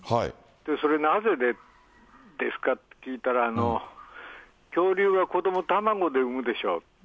それ、なぜですかって聞いたら、恐竜が子ども、卵で産むでしょって。